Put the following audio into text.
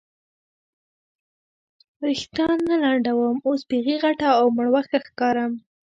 وریښتان نه لنډوم، اوس بیخي غټه او مړوښه ښکارم.